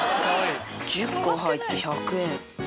１０個入って１００円。